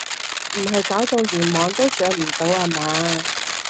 唔係搞到連網都上唔到呀嘛？